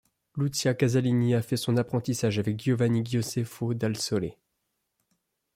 Lucia Casalini a fait son apprentissage avec Giovanni Gioseffo dal Sole.